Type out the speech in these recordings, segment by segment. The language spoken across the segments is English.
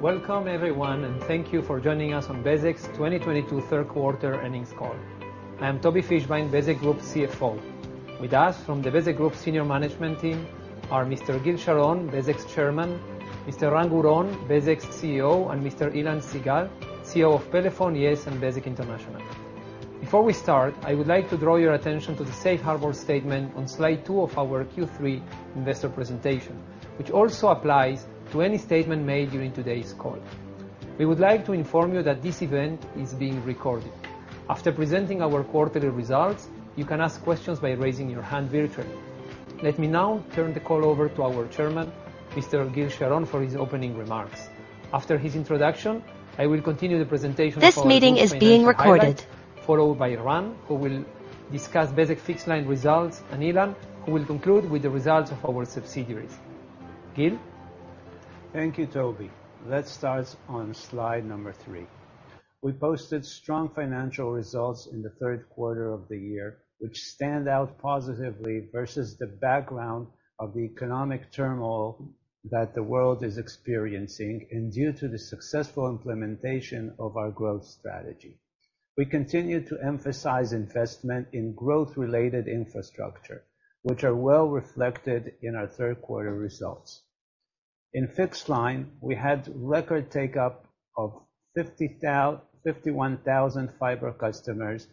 Welcome everyone, and thank you for joining us on Bezeq's 2022 third quarter earnings call. I am Tobi Fischbein, Bezeq Group CFO. With us from the Bezeq Group senior management team are Mr. Gil Sharon, Bezeq's Chairman, Mr. Ran Guron, Bezeq's CEO, and Mr. Ilan Sigal, CEO of Pelephone, Yes, and Bezeq International. Before we start, I would like to draw your attention to the safe harbor statement on slide two of our Q3 investor presentation, which also applies to any statement made during today's call. We would like to inform you that this event is being recorded. After presenting our quarterly results, you can ask questions by raising your hand virtually. Let me now turn the call over to our Chairman, Mr. Gil Sharon, for his opening remarks. After his introduction, I will continue the presentation. Followed by Ran, who will discuss Bezeq fixed line results, and Ilan, who will conclude with the results of our subsidiaries. Gil? Thank you, Tobi. Let's start on slide three. We posted strong financial results in the third quarter of the year, which stand out positively versus the background of the economic turmoil that the world is experiencing and due to the successful implementation of our growth strategy. We continue to emphasize investment in growth-related infrastructure, which are well reflected in our third quarter results. In fixed line, we had record takeup of 51,000 fiber customers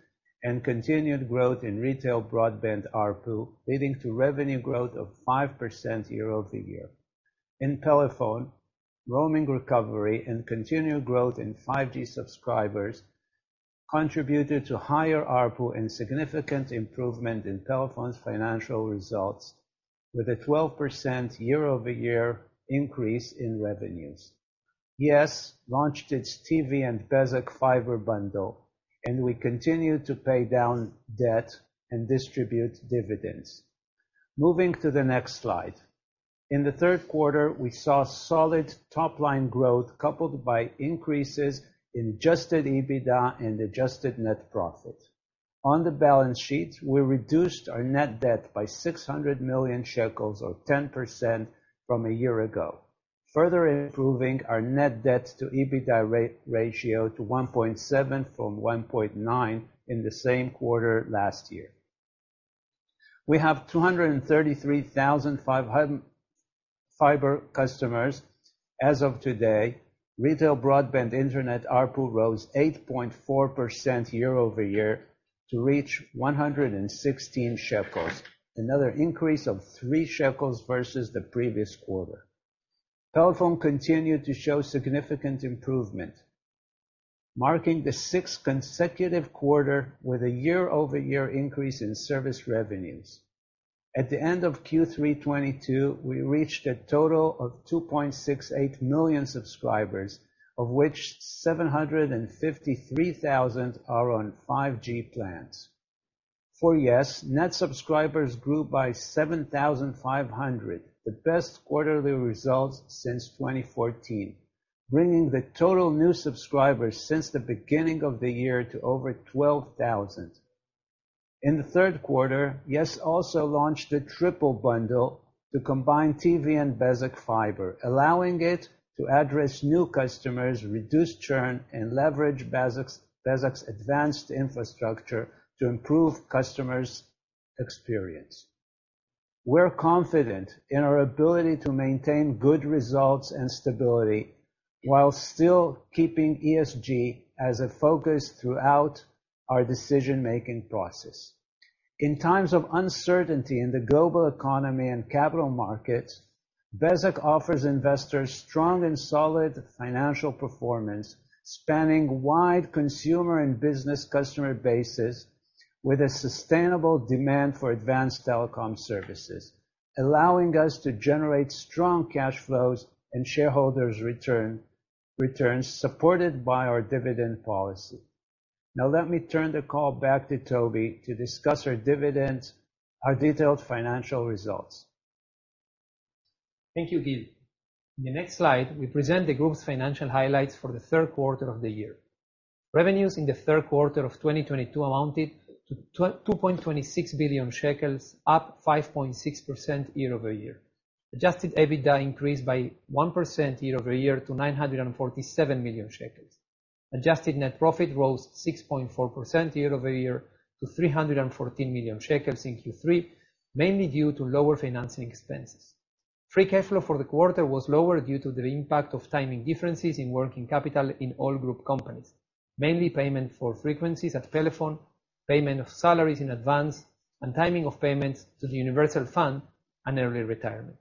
and continued growth in retail broadband ARPU, leading to revenue growth of 5% year-over-year. In Pelephone, roaming recovery and continued growth in 5G subscribers contributed to higher ARPU and significant improvement in Pelephone's financial results with a 12% year-over-year increase in revenues. Yes launched its TV and Bezeq fiber bundle, and we continue to pay down debt and distribute dividends. Moving to the next slide. In the third quarter, we saw solid top-line growth coupled by increases in adjusted EBITDA and adjusted net profit. On the balance sheet, we reduced our net debt by 600 million shekels, or 10% from a year ago, further improving our net debt to EBITDA ratio to 1.7 from 1.9 in the same quarter last year. We have 233,500 fiber customers as of today. Retail broadband internet ARPU rose 8.4% year-over-year to reach 116 shekels. Another increase of 3 shekels versus the previous quarter. Pelephone continued to show significant improvement, marking the sixth consecutive quarter with a year-over-year increase in service revenues. At the end of Q3 2022, we reached a total of 2.68 million subscribers, of which 753,000 are on 5G plans. For Yes, net subscribers grew by 7,500, the best quarterly results since 2014, bringing the total new subscribers since the beginning of the year to over 12,000. In the third quarter, Yes also launched a triple bundle to combine TV and Bezeq fiber, allowing it to address new customers, reduce churn, and leverage Bezeq's advanced infrastructure to improve customers' experience. We're confident in our ability to maintain good results and stability while still keeping ESG as a focus throughout our decision-making process. In times of uncertainty in the global economy and capital markets, Bezeq offers investors strong and solid financial performance, spanning wide consumer and business customer bases with a sustainable demand for advanced telecom services, allowing us to generate strong cash flows and shareholders' returns supported by our dividend policy. Now, let me turn the call back to Tobi to discuss our dividends, our detailed financial results. Thank you, Gil. In the next slide, we present the group's financial highlights for the third quarter of the year. Revenues in the third quarter of 2022 amounted to 2.26 billion shekels, up 5.6% year-over-year. Adjusted EBITDA increased by 1% year-over-year to 947 million shekels. Adjusted net profit rose 6.4% year-over-year to 314 million shekels in Q3, mainly due to lower financing expenses. Free cash flow for the quarter was lower due to the impact of timing differences in working capital in all group companies, mainly payment for frequencies at Pelephone, payment of salaries in advance, and timing of payments to the Universal Fund and early retirement.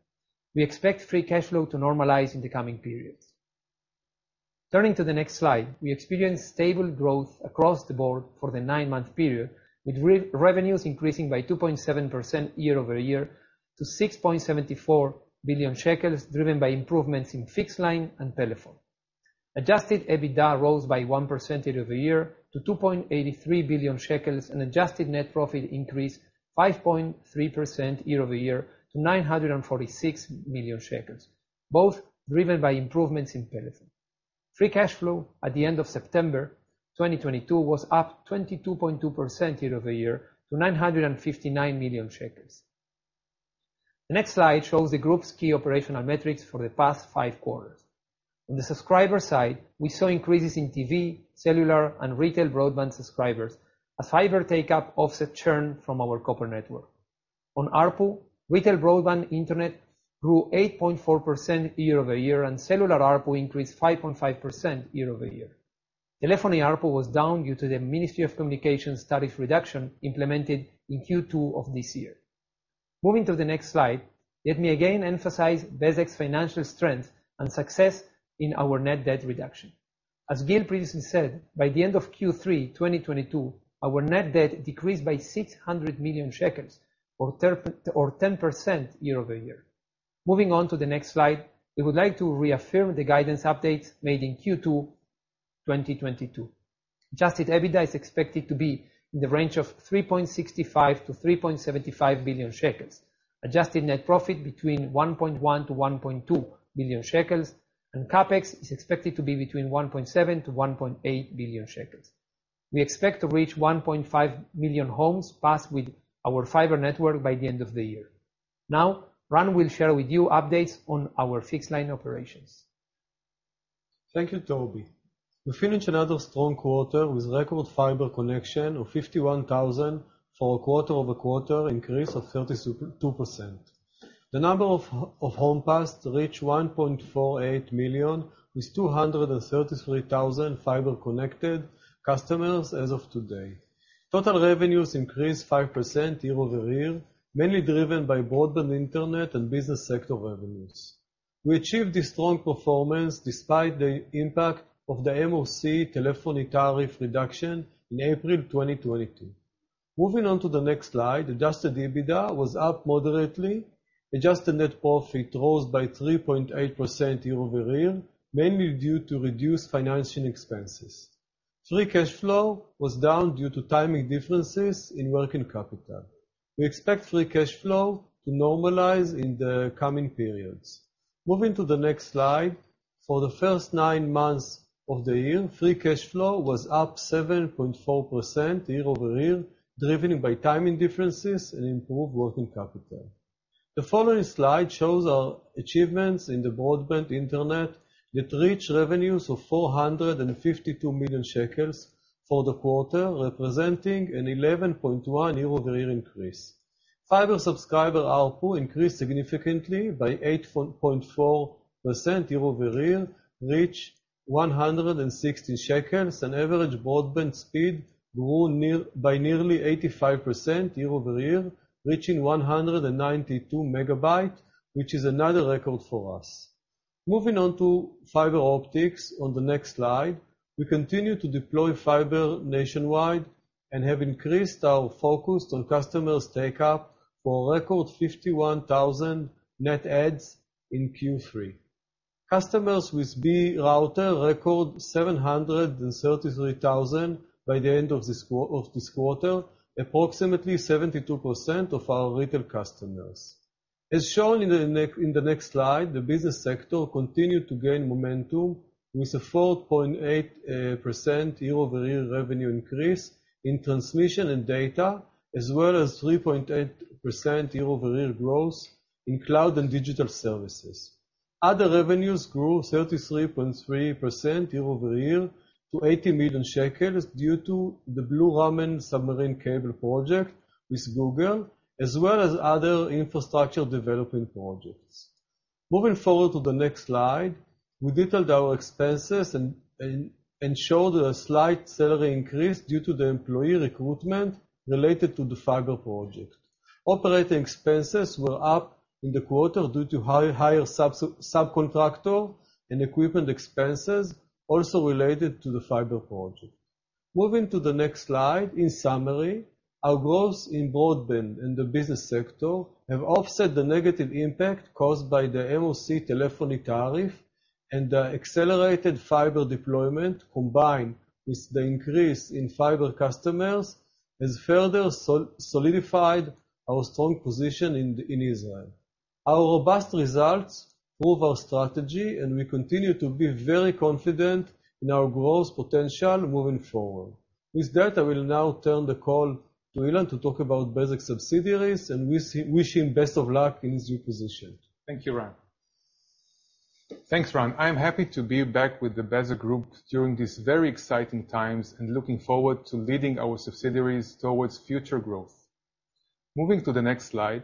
We expect free cash flow to normalize in the coming periods. Turning to the next slide, we experienced stable growth across the board for the nine-month period, with revenues increasing by 2.7% year-over-year to 6.74 billion shekels, driven by improvements in fixed line and Pelephone. Adjusted EBITDA rose by 1% year-over-year to 2.83 billion shekels, and adjusted net profit increased 5.3% year-over-year to 946 million shekels, both driven by improvements in Pelephone. Free cash flow at the end of September 2022 was up 22.2% year-over-year to 959 million shekels. The next slide shows the group's key operational metrics for the past five quarters. On the subscriber side, we saw increases in TV, cellular, and retail broadband subscribers as fiber take up offset churn from our copper network. On ARPU, retail broadband Internet grew 8.4% year-over-year, and cellular ARPU increased 5.5% year-over-year. Telephony ARPU was down due to the Ministry of Communications tariff reduction implemented in Q2 of this year. Moving to the next slide, let me again emphasize Bezeq's financial strength and success in our net debt reduction. As Gil previously said, by the end of Q3 2022, our net debt decreased by 600 million shekels, or 10% year-over-year. Moving on to the next slide, we would like to reaffirm the guidance updates made in Q2 2022. Adjusted EBITDA is expected to be in the range of 3.65 billion-3.75 billion shekels. Adjusted net profit between 1.1 billion-1.2 billion shekels, and CapEx is expected to be between 1.7 billion-1.8 billion shekels. We expect to reach 1.5 million homes passed with our fiber network by the end of the year. Now, Ran will share with you updates on our fixed line operations. Thank you, Tobi. We finished another strong quarter with record fiber connection of 51,000 for a quarter-over-quarter increase of 32%. The number of homes passed reached 1.48 million, with 233,000 fiber-connected customers as of today. Total revenues increased 5% year-over-year, mainly driven by broadband internet and business sector revenues. We achieved this strong performance despite the impact of the MOC telephony tariff reduction in April 2022. Moving on to the next slide, adjusted EBITDA was up moderately. Adjusted net profit rose by 3.8% year-over-year, mainly due to reduced financing expenses. Free cash flow was down due to timing differences in working capital. We expect free cash flow to normalize in the coming periods. Moving to the next slide, for the first nine months of the year, free cash flow was up 7.4% year-over-year, driven by timing differences and improved working capital. The following slide shows our achievements in the broadband internet that reached revenues of 452 million shekels for the quarter, representing an 11.1% year-over-year increase. Fiber subscriber ARPU increased significantly by 8.4% year-over-year, reached 160 shekels. Average broadband speed grew by nearly 85% year-over-year, reaching 192 Mbps, which is another record for us. Moving on to fiber optics on the next slide. We continue to deploy fiber nationwide and have increased our focus on customers take-up for a record 51,000 net adds in Q3. Customers with Be router record 733,000 by the end of this quarter, approximately 72% of our retail customers. As shown in the next slide, the business sector continued to gain momentum with a 4.8% year-over-year revenue increase in transmission and data, as well as 3.8% year-over-year growth in cloud and digital services. Other revenues grew 33.3% year-over-year to 80 million shekels due to the Blue-Raman submarine cable project with Google, as well as other infrastructure development projects. Moving forward to the next slide, we detailed our expenses and showed a slight salary increase due to the employee recruitment related to the fiber project. Operating expenses were up in the quarter due to higher subcontractor and equipment expenses also related to the fiber project. Moving to the next slide. In summary, our growth in broadband in the business sector have offset the negative impact caused by the MOC telephony tariff and the accelerated fiber deployment combined with the increase in fiber customers, has further solidified our strong position in Israel. Our robust results prove our strategy, and we continue to be very confident in our growth potential moving forward. With that, I will now turn the call to Ilan to talk about Bezeq subsidiaries, and wish him best of luck in his new position. Thank you, Ran. Thanks, Ran. I am happy to be back with the Bezeq Group during these very exciting times and looking forward to leading our subsidiaries toward future growth. Moving to the next slide.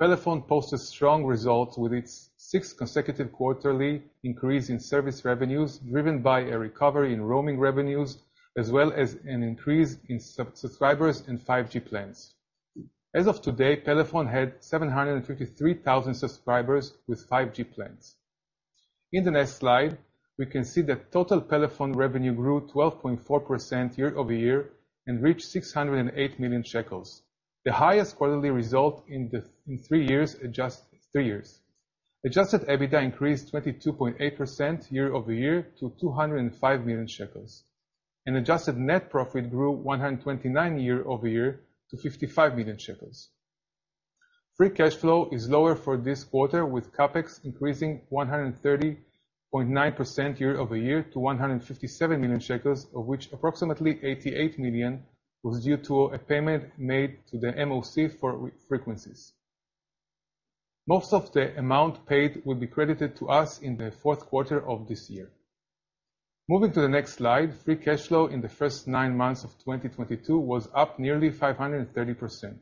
Pelephone posted strong results with its sixth consecutive quarterly increase in service revenues, driven by a recovery in roaming revenues, as well as an increase in subscribers and 5G plans. As of today, Pelephone had 753,000 subscribers with 5G plans. In the next slide, we can see that total Pelephone revenue grew 12.4% year-over-year and reached 608 million shekels, the highest quarterly result in three years. Adjusted EBITDA increased 22.8% year-over-year to 205 million shekels, and adjusted net profit grew 129% year-over-year to 55 million shekels. Free cash flow is lower for this quarter, with CapEx increasing 130.9% year-over-year to 157 million shekels, of which approximately 88 million was due to a payment made to the MOC for frequencies. Most of the amount paid will be credited to us in the fourth quarter of this year. Moving to the next slide, free cash flow in the first nine months of 2022 was up nearly 530%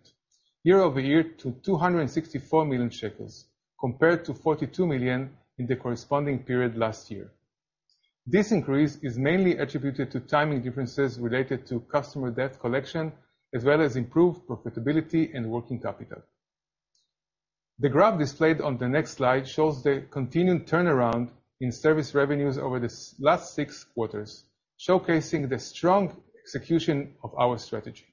year-over-year to 264 million shekels, compared to 42 million in the corresponding period last year. This increase is mainly attributed to timing differences related to customer debt collection, as well as improved profitability and working capital. The graph displayed on the next slide shows the continued turnaround in service revenues over the last six quarters, showcasing the strong execution of our strategy.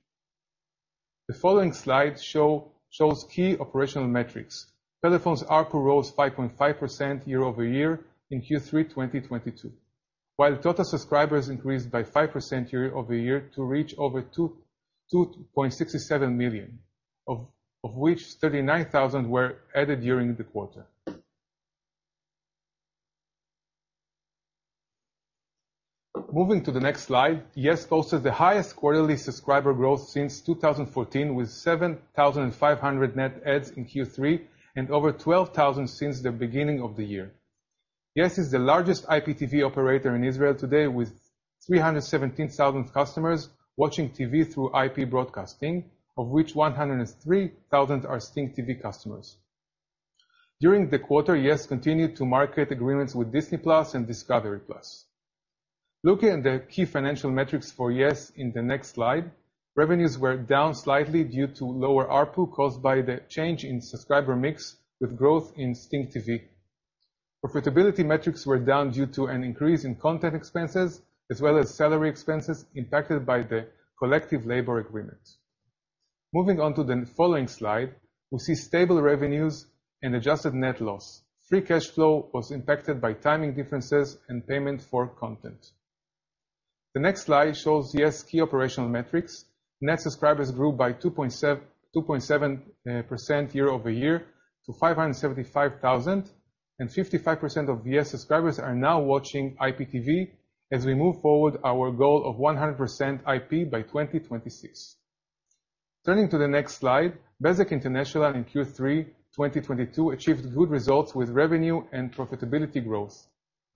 The following slide shows key operational metrics. Pelephone's ARPU rose 5.5% year-over-year in Q3 2022, while total subscribers increased by 5% year-over-year to reach over 2.67 million, of which 39,000 were added during the quarter. Moving to the next slide, Yes posted the highest quarterly subscriber growth since 2014 with 7,500 net adds in Q3 and over 12,000 since the beginning of the year. Yes is the largest IPTV operator in Israel today, with 317,000 customers watching TV through IP broadcasting, of which 103,000 are STINGTV customers. During the quarter, Yes continued to market agreements with Disney+ and discovery+. Looking at the key financial metrics for Yes in the next slide, revenues were down slightly due to lower ARPU caused by the change in subscriber mix with growth in STINGTV. Profitability metrics were down due to an increase in content expenses as well as salary expenses impacted by the collective labor agreement. Moving on to the following slide, we see stable revenues and adjusted net loss. Free cash flow was impacted by timing differences and payment for content. The next slide shows Yes key operational metrics. Net subscribers grew by 2.7% year-over-year to 575,000. Fifty-five percent of Yes subscribers are now watching IPTV as we move forward our goal of 100% IP by 2026. Turning to the next slide, Bezeq International in Q3 2022 achieved good results with revenue and profitability growth.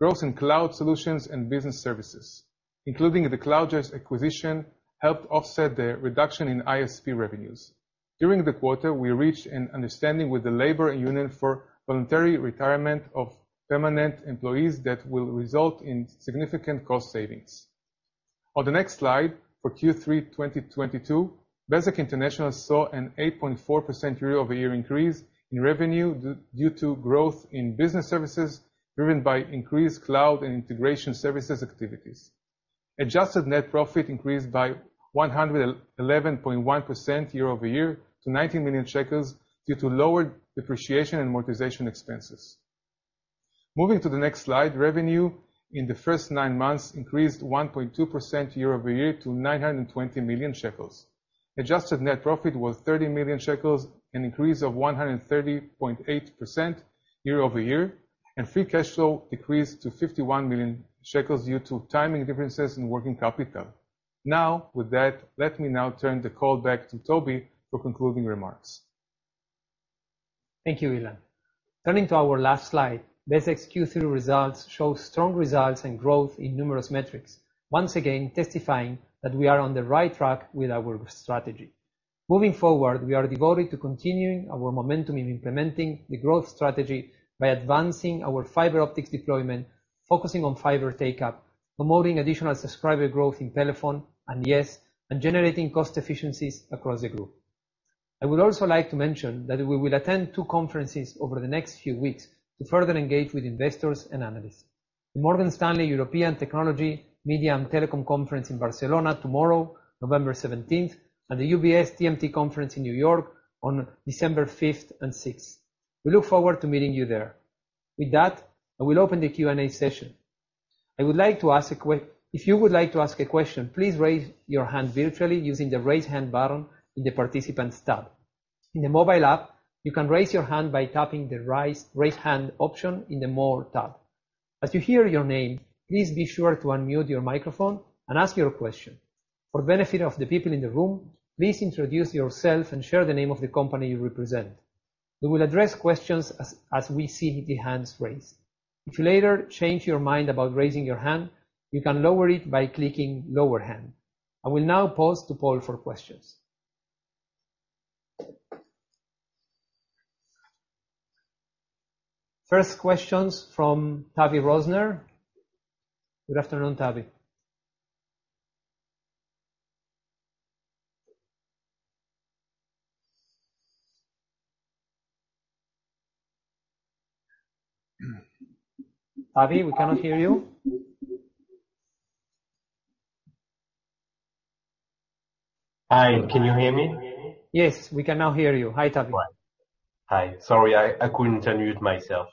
Growth in cloud solutions and business services, including the CloudEdge acquisition, helped offset the reduction in ISP revenues. During the quarter, we reached an understanding with the labor union for voluntary retirement of permanent employees that will result in significant cost savings. On the next slide for Q3 2022, Bezeq International saw an 8.4% year-over-year increase in revenue due to growth in business services, driven by increased cloud and integration services activities. Adjusted net profit increased by 111.1% year-over-year to 90 million shekels due to lower depreciation and amortization expenses. Moving to the next slide, revenue in the first nine months increased 1.2% year-over-year to 920 million shekels. Adjusted net profit was 30 million shekels, an increase of 130.8% year-over-year, and free cash flow decreased to 51 million shekels due to timing differences in working capital. With that, let me turn the call back to Toby for concluding remarks. Thank you, Ilan. Turning to our last slide, Bezeq's Q3 results show strong results and growth in numerous metrics, once again testifying that we are on the right track with our strategy. Moving forward, we are devoted to continuing our momentum in implementing the growth strategy by advancing our fiber optics deployment, focusing on fiber take-up, promoting additional subscriber growth in Pelephone and Yes, and generating cost efficiencies across the group. I would also like to mention that we will attend two conferences over the next few weeks to further engage with investors and analysts. The Morgan Stanley European Technology, Media, and Telecom Conference in Barcelona tomorrow, November seventeenth, and the UBS TMT Conference in New York on December fifth and sixth. We look forward to meeting you there. With that, I will open the Q&A session. If you would like to ask a question, please raise your hand virtually using the Raise Hand button in the Participants tab. In the mobile app, you can raise your hand by tapping the Raise Hand option in the More tab. As you hear your name, please be sure to unmute your microphone and ask your question. For benefit of the people in the room, please introduce yourself and share the name of the company you represent. We will address questions as we see the hands raised. If you later change your mind about raising your hand, you can lower it by clicking Lower Hand. I will now pause to poll for questions. First question from Tavy Rosner. Good afternoon, Tavy. Tavy, we cannot hear you. Hi. Can you hear me? Yes, we can now hear you. Hi, Tavy. Hi. Sorry, I couldn't unmute myself.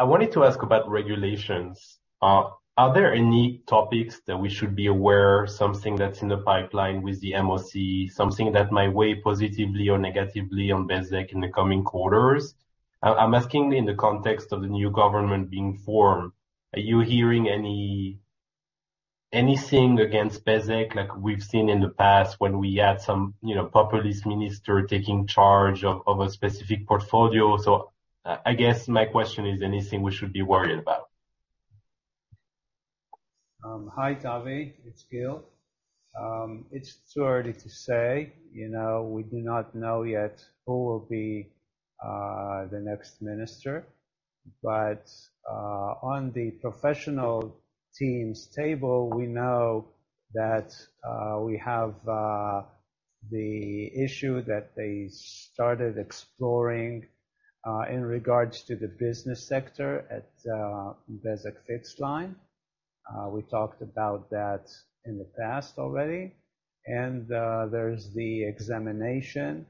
I wanted to ask about regulations. Are there any topics that we should be aware, something that's in the pipeline with the MOC, something that might weigh positively or negatively on Bezeq in the coming quarters? I'm asking in the context of the new government being formed. Are you hearing any Anything against Bezeq like we've seen in the past when we had some, you know, populist minister taking charge of a specific portfolio. I guess my question is anything we should be worried about? Hi, Tavy. It's Gil. It's too early to say, you know. We do not know yet who will be the next minister. On the professional teams table, we know that we have the issue that they started exploring in regards to the business sector at Bezeq fixed line. We talked about that in the past already. There's the examination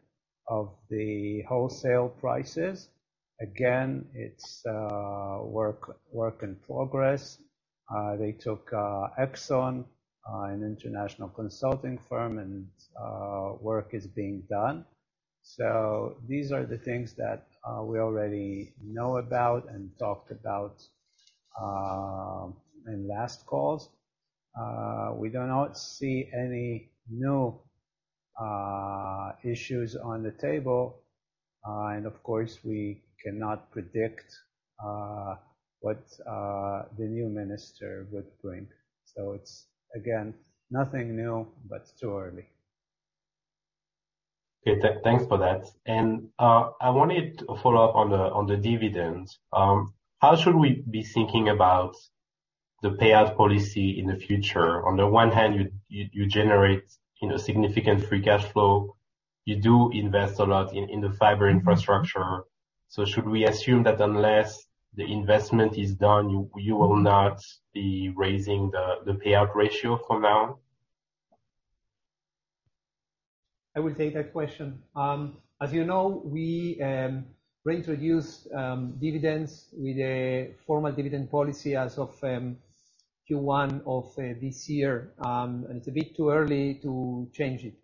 of the wholesale prices. Again, it's work in progress. They took Axon, an international consulting firm, and work is being done. These are the things that we already know about and talked about in last calls. We do not see any new issues on the table. Of course, we cannot predict what the new minister would bring it's again, nothing new, but it's too early. Okay. Thanks for that. I wanted to follow up on the dividends. How should we be thinking about the payout policy in the future? On the one hand, you generate, you know, significant free cash flow. You do invest a lot in the fiber infrastructure. Should we assume that unless the investment is done, you will not be raising the payout ratio for now? I will take that question. As you know, we reintroduced dividends with a formal dividend policy as of Q1 of this year. It's a bit too early to change it.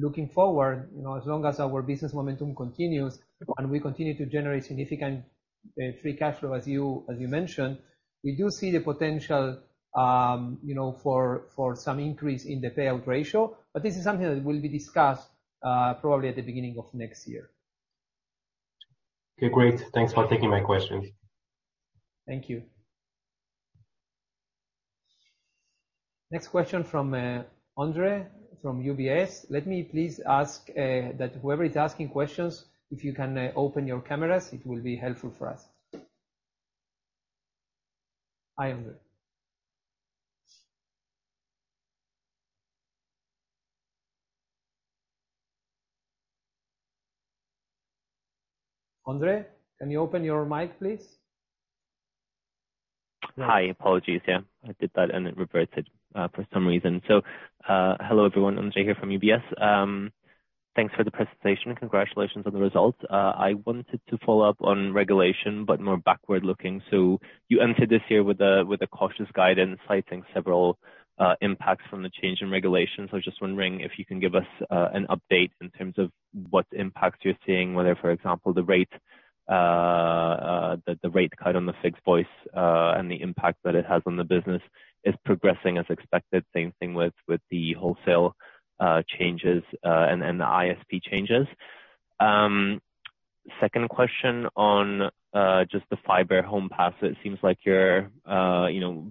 Looking forward, you know, as long as our business momentum continues and we continue to generate significant free cash flow, as you mentioned, we do see the potential, you know, for some increase in the payout ratio. This is something that will be discussed probably at the beginning of next year. Okay, great. Thanks for taking my questions. Thank you. Next question from Ondrej from UBS. Let me please ask that whoever is asking questions, if you can, open your cameras, it will be helpful for us. Hi, Ondrej. Ondrej, can you open your mic, please? Hi. Apologies, yeah. I did that, and it reverted for some reason. Hello, everyone. Ondrej here from UBS. Thanks for the presentation. Congratulations on the results. I wanted to follow up on regulation, but more backward-looking. You entered this year with a cautious guidance, citing several impacts from the change in regulations. Just wondering if you can give us an update in terms of what impacts you're seeing, whether, for example, the rate cut on the fixed voice and the impact that it has on the business is progressing as expected. Same thing with the wholesale changes and the ISP changes. Second question on just the fiber homes passed. It seems like you're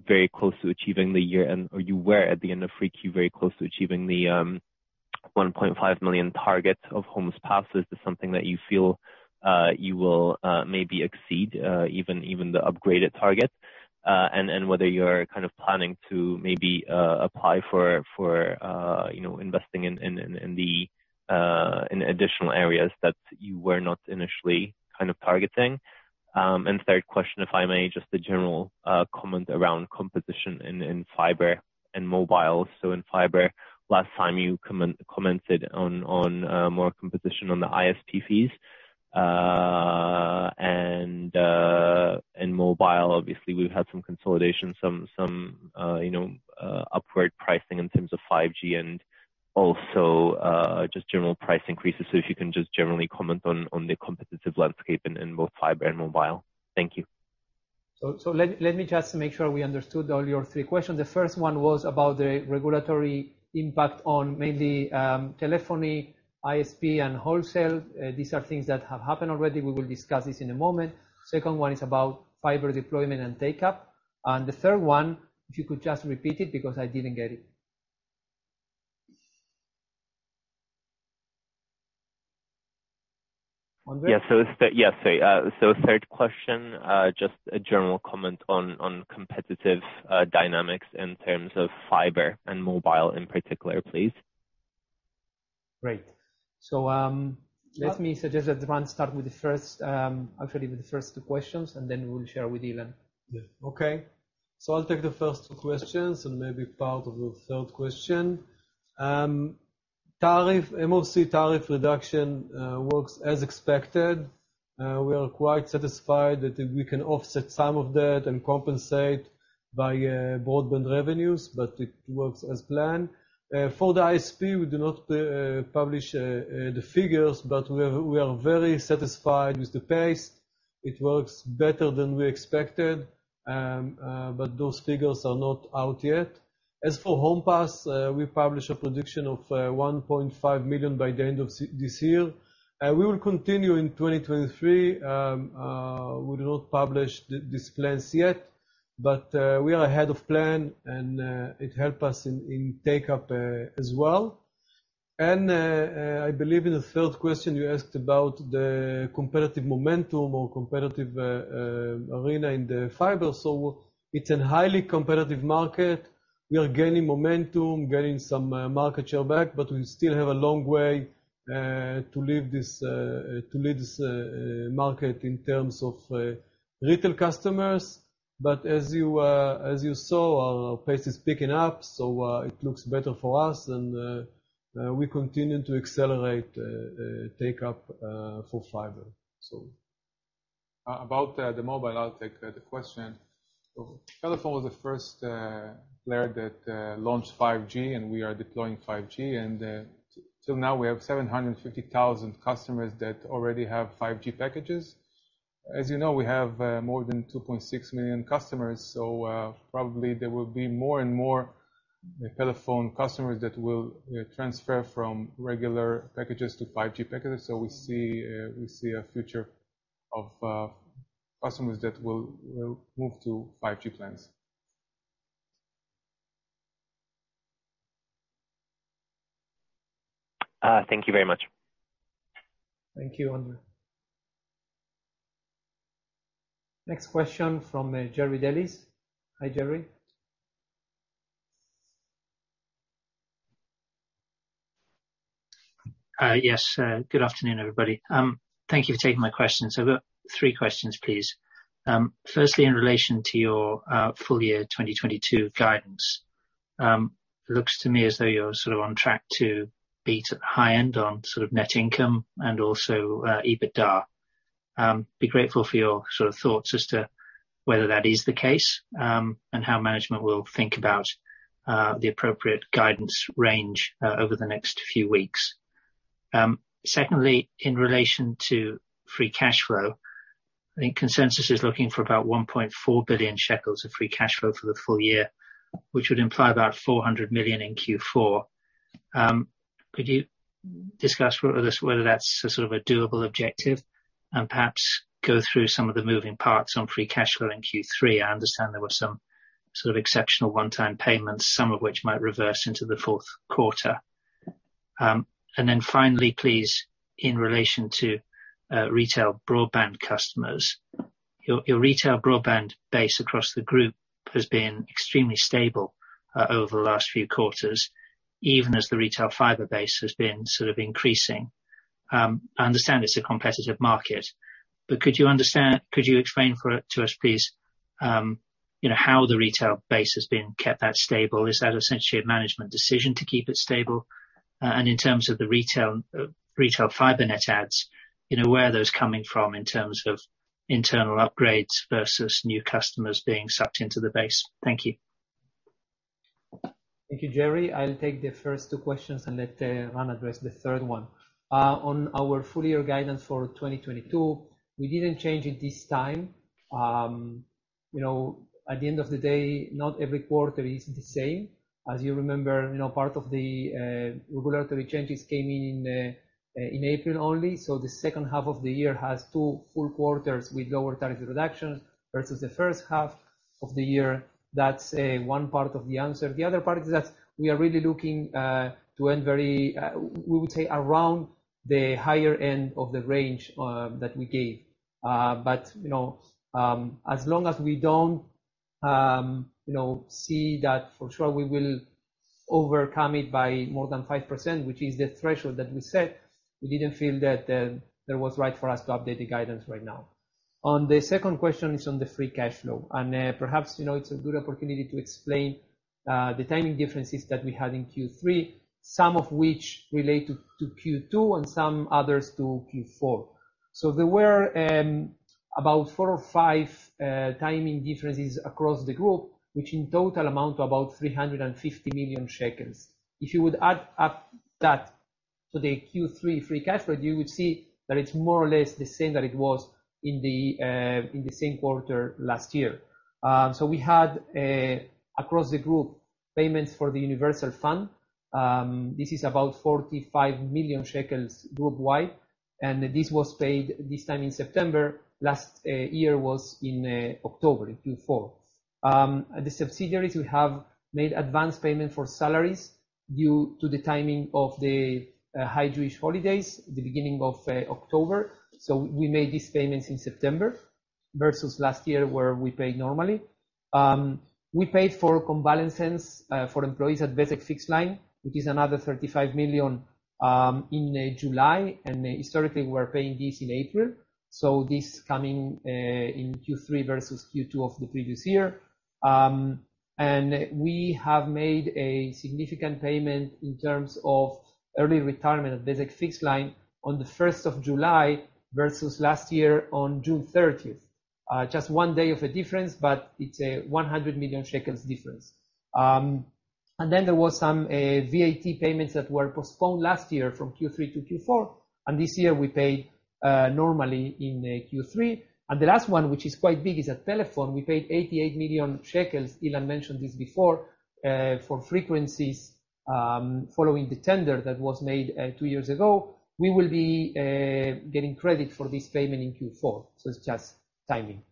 very close to achieving the year end or you were at the end of 3Q, very close to achieving the 1.5 million target of homes passed. Is this something that you feel you will maybe exceed even the upgraded target? And whether you're kind of planning to maybe apply for investing in the additional areas that you were not initially kind of targeting. Third question, if I may, just a general comment around competition in fiber and mobile. In fiber, last time you commented on more competition on the ISP fees. In mobile, obviously we've had some consolidation, some you know, upward pricing in terms of 5G and also, just general price increases. If you can just generally comment on the competitive landscape in both fiber and mobile. Thank you. Let me just make sure we understood all your three questions. The first one was about the regulatory impact on mainly telephony, ISP, and wholesale. These are things that have happened already. We will discuss this in a moment. Second one is about fiber deployment and take-up. The third one, if you could just repeat it, because I didn't get it. Ondrej? Yeah. Yeah, sorry. Third question, just a general comment on competitive dynamics in terms of fiber and mobile in particular, please. Great. Let me suggest that Ran start with the first, actually with the first two questions, and then we'll share with Ilan. Yeah. Okay. I'll take the first two questions and maybe part of the third question. Tariff, MOC tariff reduction works as expected. We are quite satisfied that we can offset some of that and compensate by broadband revenues, but it works as planned. For the ISP, we do not publish the figures, but we are very satisfied with the pace. It works better than we expected, but those figures are not out yet. As for homes passed, we publish a prediction of 1.5 million by the end of this year. We will continue in 2023, we'll not publish these plans yet, but we are ahead of plan and it help us in take up as well. I believe in the third question you asked about the competitive momentum or competitive arena in the fiber. It's a highly competitive market. We are gaining momentum, gaining some market share back, but we still have a long way to lead this market in terms of retail customers. As you saw, our pace is picking up, so it looks better for us and we continue to accelerate take up for fiber. About the mobile, I'll take the question. Pelephone was the first player that launched 5G, and we are deploying 5G. Till now we have 750,000 customers that already have 5G packages. As you know, we have more than 2.6 million customers, so probably there will be more and more Pelephone customers that will transfer from regular packages to 5G packages. We see a future of customers that will move to 5G plans. Thank you very much. Thank you, Ondrej. Next question from Jerry Dellis. Hi, Jerry. Yes. Good afternoon, everybody. Thank you for taking my questions. I've got three questions, please. Firstly, in relation to your full year 2022 guidance. Looks to me as though you're sort of on track to beat at the high end on sort of net income and also EBITDA. I'd be grateful for your sort of thoughts as to whether that is the case, and how management will think about the appropriate guidance range over the next few weeks. Secondly, in relation to free cash flow, I think consensus is looking for about 1.4 billion shekels of free cash flow for the full year, which would imply about 400 million in Q4. Could you discuss with us whether that's a sort of a doable objective and perhaps go through some of the moving parts on free cash flow in Q3? I understand there were some sort of exceptional one-time payments, some of which might reverse into the fourth quarter. Finally, please, in relation to retail broadband customers. Your retail broadband base across the group has been extremely stable over the last few quarters, even as the retail fiber base has been sort of increasing. I understand it's a competitive market, but could you explain to us, please, you know, how the retail base has been kept that stable? Is that essentially a management decision to keep it stable? In terms of the retail fiber net adds, you know, where are those coming from in terms of internal upgrades versus new customers being sucked into the base? Thank you. Thank you, Jerry. I'll take the first two questions and let Ran address the third one. On our full year guidance for 2022, we didn't change it this time. You know, at the end of the day, not every quarter is the same. As you remember, you know, part of the regulatory changes came in in April only. The second half of the year has two full quarters with lower tariff reductions versus the first half of the year. That's one part of the answer. The other part is that we are really looking to end very we would say around the higher end of the range that we gave. You know, as long as we don't, you know, see that for sure, we will overcome it by more than 5%, which is the threshold that we set. We didn't feel that was right for us to update the guidance right now. On the second question, it's on the free cash flow. Perhaps, you know, it's a good opportunity to explain the timing differences that we had in Q3, some of which relate to Q2 and some others to Q4. There were about four or five timing differences across the group, which in total amount to about 350 million shekels. If you would add up that to the Q3 free cash flow, you would see that it's more or less the same that it was in the same quarter last year. We had across the group, payments for the Universal Fund. This is about 45 million shekels worldwide, and this was paid this time in September. Last year was in October, in Q4. The subsidiaries would have made advance payment for salaries due to the timing of the high Jewish holidays at the beginning of October. We made these payments in September versus last year, where we paid normally. We paid for cumulative balance for employees at Bezeq fixed line, which is another 35 million in July. Historically, we're paying this in April, so this coming in Q3 versus Q2 of the previous year. We have made a significant payment in terms of early retirement at Bezeq fixed line on July 1 versus last year on June 30. Just one day of a difference, but it's a 100 million shekels difference. Then there was some VAT payments that were postponed last year from Q3 to Q4, and this year we paid normally in Q3. The last one, which is quite big, is at Pelephone. We paid 88 million shekels, Ilan mentioned this before, for frequencies, following the tender that was made two years ago. We will be getting credit for this payment in Q4, so it's just timing.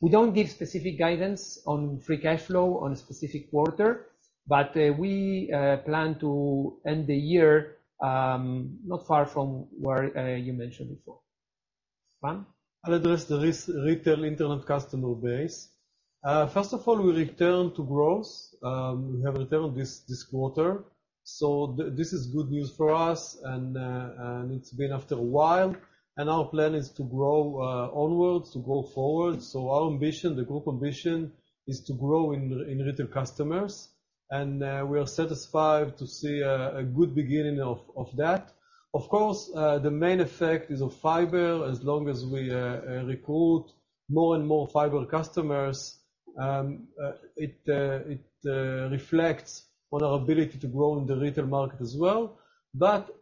We don't give specific guidance on free cash flow on a specific quarter, but we plan to end the year not far from where you mentioned before. Ran? I'll address the retail internet customer base. First of all, we return to growth. We have returned this quarter, so this is good news for us and it's been a while. Our plan is to grow onwards, to go forward. Our ambition, the group ambition, is to grow in retail customers. We are satisfied to see a good beginning of that. Of course, the main effect is of fiber. As long as we recruit more and more fiber customers, it reflects on our ability to grow in the retail market as well.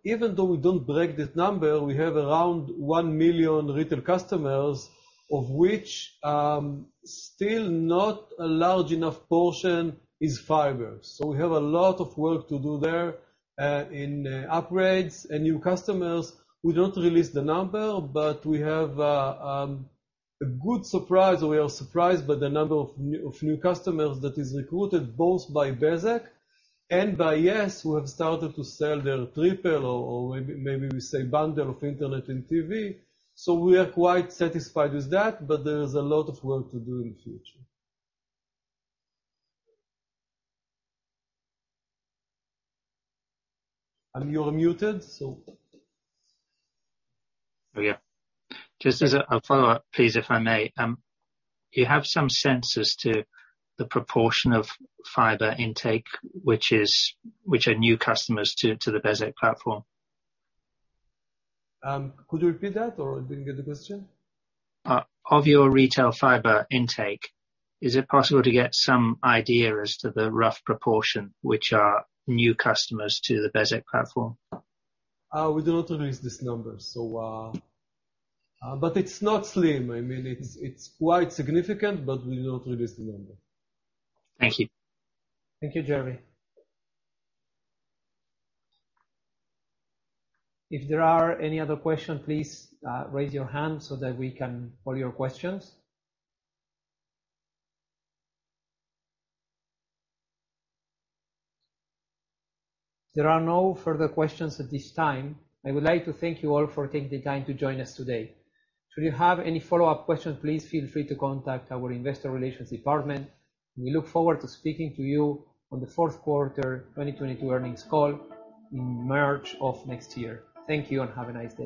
Even though we don't break out this number, we have around 1 million retail customers, of which still not a large enough portion is fiber. We have a lot of work to do there, in upgrades and new customers. We don't release the number, but we have a good surprise, or we are surprised by the number of new customers that is recruited, both by Bezeq and by Yes, who have started to sell their triple or maybe we say bundle of internet and TV. We are quite satisfied with that, but there is a lot of work to do in the future. You're muted. Oh, yeah. Just as a follow-up, please, if I may. You have some sense as to the proportion of fiber intake, which are new customers to the Bezeq platform? Could you repeat that, or I didn't get the question. Of your retail fiber intake, is it possible to get some idea as to the rough proportion which are new customers to the Bezeq platform? We don't release these numbers, so but it's not slim. I mean, it's quite significant, but we don't release the number. Thank you. Thank you, Jerry. If there are any other questions, please raise your hand so that we can call your questions. There are no further questions at this time. I would like to thank you all for taking the time to join us today. Should you have any follow-up questions, please feel free to contact our investor relations department, and we look forward to speaking to you on the fourth quarter 2022 earnings call in March of next year. Thank you, and have a nice day.